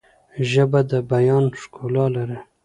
ژبه د بیان ښکلا لري.